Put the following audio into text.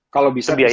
kalau bisa bisa tes